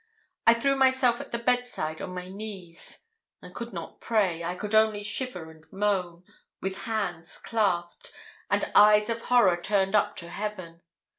I threw myself at the bedside on my knees. I could not pray; I could only shiver and moan, with hands clasped, and eyes of horror turned up to heaven.